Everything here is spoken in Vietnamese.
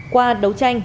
qua đấu tranh